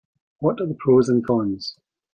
What are the pros and cons?